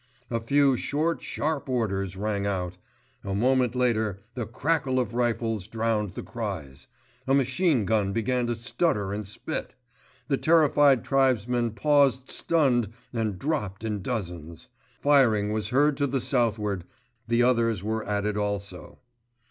A few short, sharp orders rang out. A moment later the crackle of rifles drowned the cries. A machine gun began to stutter and spit. The terrified tribesmen paused stunned and dropped in dozens. Firing was heard to the southward—the others were at it also.